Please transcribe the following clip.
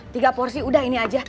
tiga porsi udah ini aja